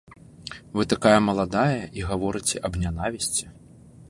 Вы такая маладая і гаворыце аб нянавісці?